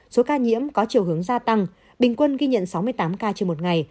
số ca nhiễm có chiều hướng gia tăng bình quân ghi nhận sáu mươi tám ca trên một ngày